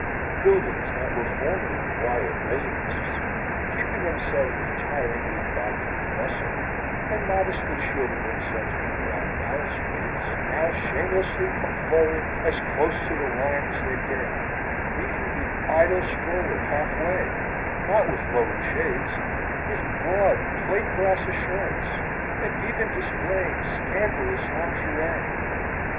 Buildings that were formerly quiet residences, keeping themselves retiringly back from the bustle, and modestly shielding themselves with brown balustrades, now shamelessly come forward as close to the line as they dare, meeting the idle stroller half way, not with lowered shades, but with broad plate glass assurance, and even displaying scandalous lingerie.